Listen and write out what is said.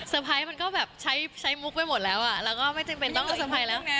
ไพรส์มันก็แบบใช้มุกไปหมดแล้วอ่ะแล้วก็ไม่จำเป็นต้องเอาเซอร์ไพรส์แล้วไง